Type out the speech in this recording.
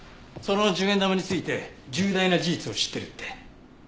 その１０円玉について重大な事実を知ってるって。